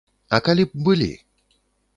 А калі б былі?